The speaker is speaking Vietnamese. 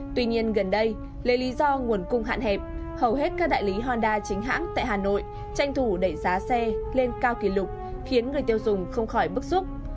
tuy nhiên gần đây lấy lý do nguồn cung hạn hẹp hầu hết các đại lý honda chính hãng tại hà nội tranh thủ đẩy giá xe lên cao kỷ lục khiến người tiêu dùng không khỏi bức xúc